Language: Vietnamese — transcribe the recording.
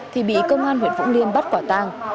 thì bị công an huyện vũng liêm bắt quả tang